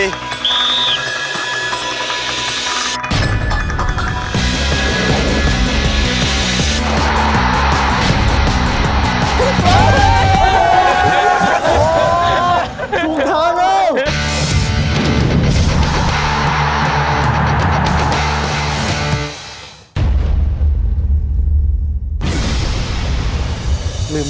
ถูกทำแล้ว